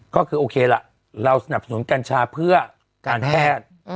ก็คือโอเคล่ะเราสนับสนุนกัญชาเพื่อการแพทย์